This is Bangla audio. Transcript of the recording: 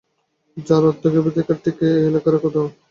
যার অর্থ দ্য গ্র্যাবারকে ঠিক এই এলাকার-ই কোথাও থাকতে হবে।